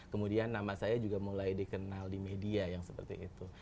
kemudian nama saya juga mulai dikenal di media yang seperti itu